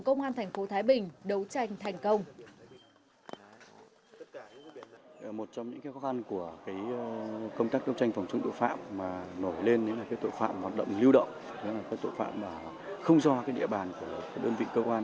công an thành phố thái bình đấu tranh thành công